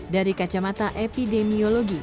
dari kacamata epidemiologi